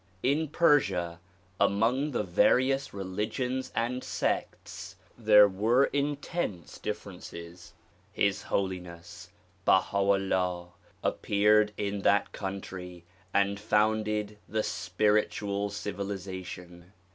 In Persia, among the various religions and sects there were intense differences. His Holiness Baha 'Ullah appeared in that country and founded the spiritual civilization.